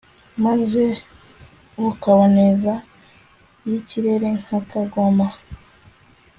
maze bukaboneza iy'ikirere nka kagoma